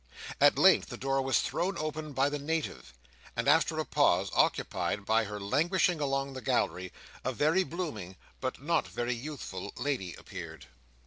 At length the door was thrown open by the Native, and, after a pause, occupied by her languishing along the gallery, a very blooming, but not very youthful lady, appeared.